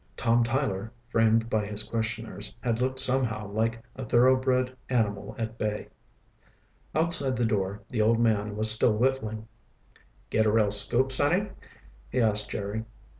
Tom Tyler, framed by his questioners, had looked somehow like a thoroughbred animal at bay. Outside the door, the old man was still whittling. "Get a real scoop, sonny?" he asked Jerry.